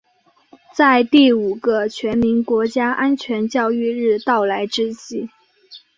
在第五个全民国家安全教育日到来之际